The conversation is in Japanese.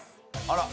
あら？